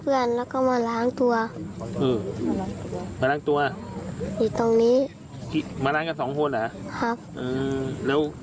เออมาร่างตัว